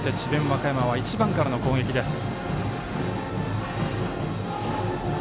和歌山は１番からの攻撃です。